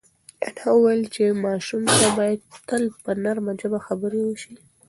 انا وویل چې ماشوم ته باید تل په نرمه ژبه خبرې وشي.